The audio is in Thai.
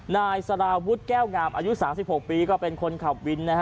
นายสารวุฒิแก้วงามอายุ๓๖ปีก็เป็นคนขับวินนะฮะ